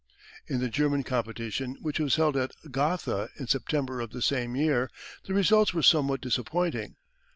In the German competition which was held at Gotha in September of the same year the results were somewhat disappointing.